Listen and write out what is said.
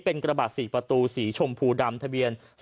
เป็นกระบาด๔ประตูสีชมพูดำทะเบียน